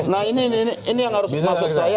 nah ini yang harus maksud saya